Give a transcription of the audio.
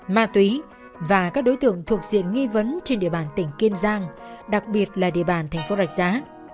ma túy và các đối tượng thuộc diện nghi vấn trên địa bàn tỉnh kiên giang đặc biệt là địa bàn thành phố rạch giá